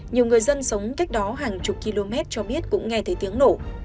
nhiều người dân sống cách đó hàng chục km cho biết cũng nghe thấy tiếng nổ